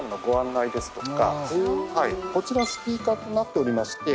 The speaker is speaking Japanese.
こちらスピーカーとなっておりまして。